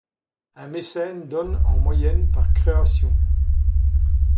Un mécène donne en moyenne par création.